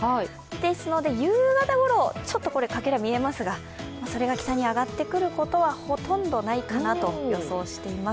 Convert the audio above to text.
ですので夕方ごろ、ちょっとかけらは見えますが、それが南に上がるのはほとんどないかなと予想しています。